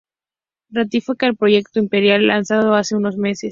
Ratifica el proyecto imperial lanzado hace unos meses.